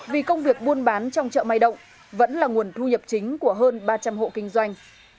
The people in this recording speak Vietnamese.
vì công việc buôn bán trong chợ may động vẫn là nguồn thu nhập chính của hơn ba trăm linh hộ kinh doanh